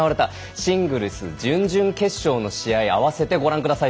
シングルス準々決勝の試合合わせてご覧ください